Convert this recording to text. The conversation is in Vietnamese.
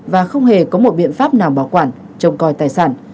và không hề có một biện pháp nào bảo quản trông coi tài sản